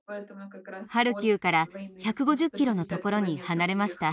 ハルキウから１５０キロのところに離れました。